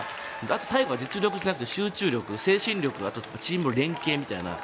最後は実力じゃなくて集中力、精神力チームの連携みたいな。